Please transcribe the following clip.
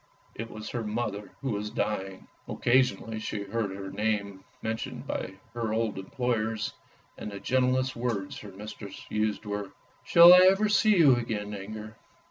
It was her mother who was dying. Occasionally she heard her name mentioned by her old employers, and the gentlest words her mistress used were, " shall I ever see you again, Inger?